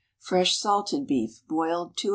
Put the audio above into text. Fresh salted beef, boiled 2 h.